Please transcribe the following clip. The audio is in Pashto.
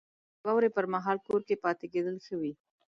• د واورې پر مهال کور کې پاتېدل ښه وي.